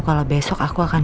kalo besok aku akan